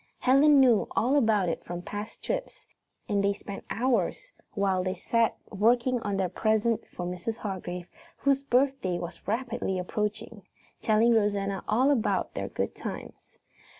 Helen knew all about it from past trips, and she spent hours while they sat working on their presents for Mrs. Hargrave, whose birthday was rapidly approaching, telling Rosanna all about their good times.